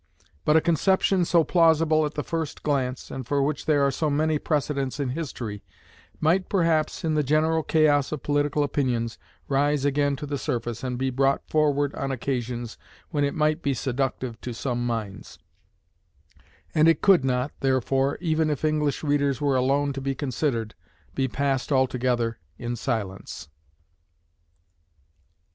But a conception so plausible at the first glance, and for which there are so many precedents in history, might perhaps, in the general chaos of political opinions, rise again to the surface, and be brought forward on occasions when it might be seductive to some minds; and it could not, therefore, even if English readers were alone to be considered, be passed altogether in silence.